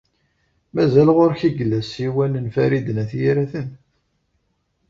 Mazal ɣur-k i yella ssiwan n Farid n At Yiraten?